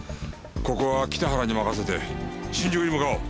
ここは北原に任せて新宿に向かおう。